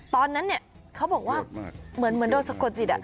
ตอนนั้นเขาบอกว่าเหมือนโดนสะกดจิต